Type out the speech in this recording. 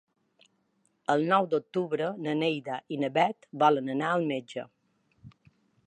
El nou d'octubre na Neida i na Bet volen anar al metge.